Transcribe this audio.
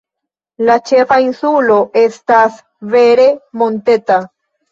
La ĉefa insulo estas vere monteta.